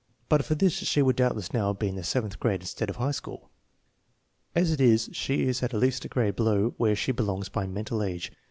But for this she would doubtless now be in the seventh grade instead of in high school. As it is she is at least a grade below where she belongs by mental age.